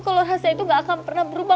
kalau hasil itu gak akan pernah berubah